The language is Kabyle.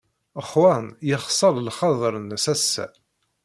Juan yexṣer lxaḍer-nnes ass-a.